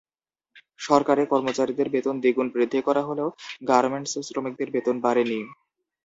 সরকারি কর্মচারীদের বেতন দ্বিগুণ বৃদ্ধি করা হলেও গার্মেন্টস শ্রমিকদের বেতন বাড়েনি।